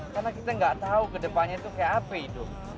karena kita enggak tahu ke depannya tuh kayak apa hidup